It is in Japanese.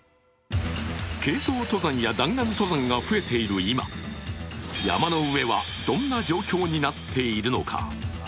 軽装登山や弾丸登山が増えている今、山の上はどんな状況になっているのか。